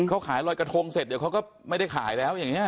เขาขายลอยกระทงเสร็จเดี๋ยวเขาก็ไม่ได้ขายแล้วอย่างนี้